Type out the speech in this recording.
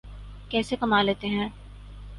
کیسے کما لیتے ہیں؟